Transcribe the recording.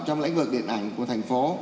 trong lãnh vực điện ảnh của thành phố